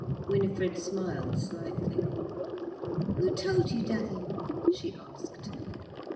Winifred smiled slightly. "Who told you, Daddie?" she asked.